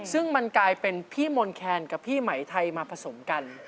ซึ่งมันกลายเป็นพี่มนต์แคนกับพี่ไหมไทยมาผสมกัน